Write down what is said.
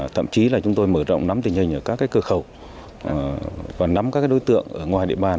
thậm chí là chúng tôi mở rộng nắm tình hình ở các cửa khẩu và nắm các đối tượng ở ngoài địa bàn